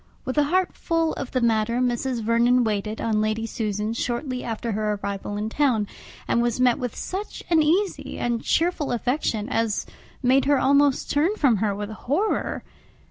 With a heart full of the matter, Mrs. Vernon waited on Lady Susan shortly after her arrival in town, and was met with such an easy and cheerful affection, as made her almost turn from her with horror.